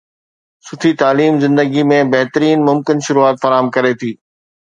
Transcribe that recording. سٺي تعليم زندگي ۾ بهترين ممڪن شروعات فراهم ڪري ٿي